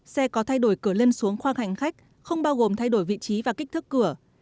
xe có thay đổi cửa lên xuống khoang hành khách không bao gồm thay đổi vị trí và kích thước cửa